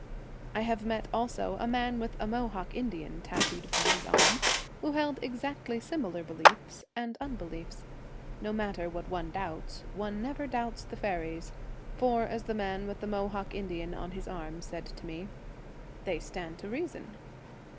I have met also a man with a mohawk Indian tattooed upon his arm, who held exactly similar beliefs and unbe liefs. No matter what one doubts one never doubts the faeries, for, as the man with the mohawk Indian on his arm said to me, 'they stand to reason.'